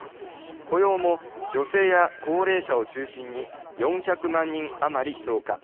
雇用も女性や高齢者を中心に４００万人余り増加。